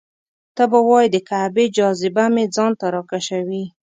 ته به وایې د کعبې جاذبه مې ځان ته راکشوي.